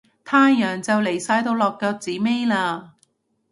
太陽就嚟晒到落腳子尾喇